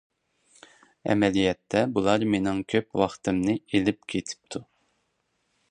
ئەمەلىيەتتە بۇلار مېنىڭ كۆپ ۋاقتىمنى ئېلىپ كېتىپتۇ.